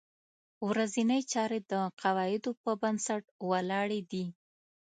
ورځنۍ چارې د قواعدو په بنسټ ولاړې دي.